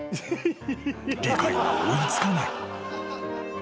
［理解が追い付かない］